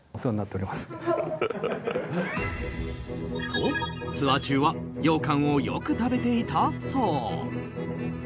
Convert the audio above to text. と、ツアー中は、ようかんをよく食べていたそう。